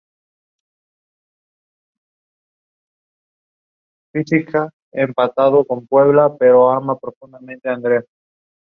The system is operational with Pakistan's armed forces.